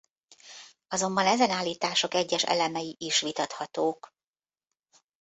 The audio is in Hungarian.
Azonban ezen állítások egyes elemei is vitathatók.